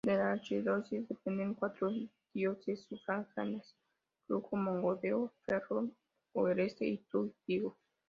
De la archidiócesis dependen cuatro diócesis sufragáneas: Lugo, Mondoñedo-Ferrol, Orense y Tuy-Vigo.